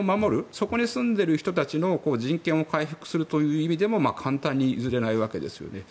そこに住んでいる人たちの人権を回復するという意味でも簡単に譲れないわけですよね。